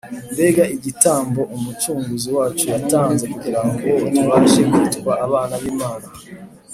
mbega igitambo umucunguzi wacu yatanze kugira ngo tubashe kwitwa abana b’imana!